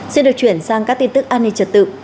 xin được chuyển sang các tin tức an ninh trật tự